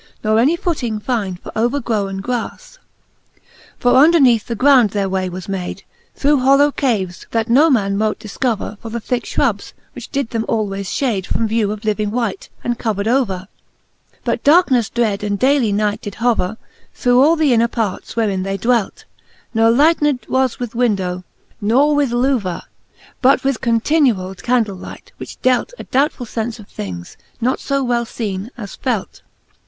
Nor any footing fynde for overgrowen gras. XLII. For CantO' X. the Faerie §ueene, 365, XLII. For underneath the ground their way was made, Through hollow caves, that no man mote difcover For the thicke fhrubs, which did them alwaies fhade: From view of living wight, and covered over r But darkeneffe dred, and daily night did hover Through all the inner parts, wherein they dwelt; Ne lightned was with window, nor with lover, But with continuall candlelight, which delt A doubtful 1 fenfe of things, not fo well feene,. as felt..